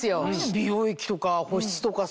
美容液とか保湿とかさ